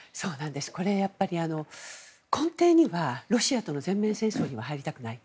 やっぱり根底にはロシアとの全面戦争には入りたくないと。